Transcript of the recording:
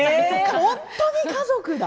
本当に家族が。